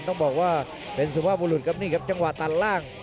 ต้องบอกว่าเป็นสุภาพบุรุษครับนี่ครับจังหวะตัดล่าง